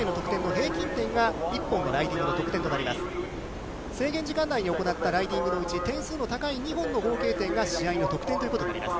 制限時間内に行ったライディングのうち、点数の高いほうの２本の合計点が試合の得点ということになります。